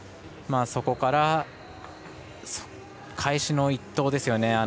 そこから、返しの１投ですよね